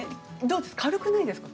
軽くないですか。